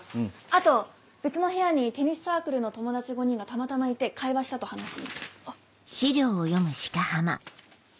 あと別の部屋にテニスサークルの友達５人がたまたまいて会話したと話してあっ。